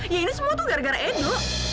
ya ini semua tuh gara gara edu